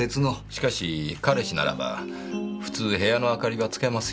しかし彼氏ならば普通部屋の明かりは点けますよねえ。